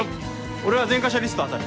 俺は前科者リスト当たる。